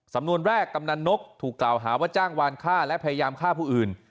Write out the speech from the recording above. สำนวนแรกกำนันนกถูกกล่าวหาว่าจ้างวานฆ่าและพยายามฆ่าผู้อื่น